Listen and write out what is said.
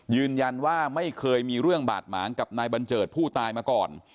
ยืนยันว่าไม่เคยมีเรื่องบาดหมางกับนายบัญเจิดผู้ตายมาก่อน